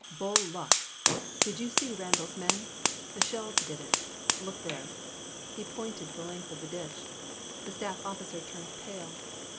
'' Bull luck; did you see Randal's men ? The shells did it — ^look there." He pointed the length of the ditch. The staff officer turned pale.